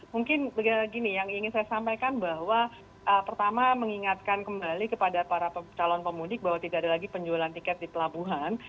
mungkin begini yang ingin saya sampaikan bahwa pertama mengingatkan kembali kepada para calon pemudik bahwa tidak ada lagi penjualan tiket di pelabuhan